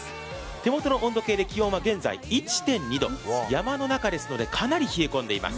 手元の気温系で現在１．１度、山の中ですのでかなり冷え込んでいます。